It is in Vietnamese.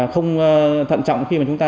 không thận trọng khi chúng ta